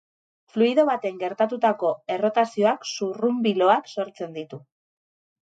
Fluido baten gertatutako errotazioak zurrunbiloak sortzen ditu.